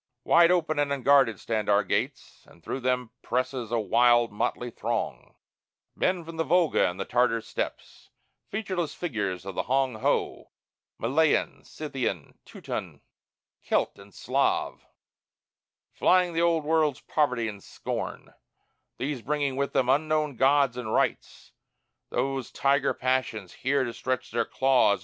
Wide open and unguarded stand our gates, And through them presses a wild motley throng Men from the Volga and the Tartar steppes, Featureless figures of the Hoang Ho, Malayan, Scythian, Teuton, Kelt, and Slav, Flying the Old World's poverty and scorn; These bringing with them unknown gods and rites, Those, tiger passions, here to stretch their claws.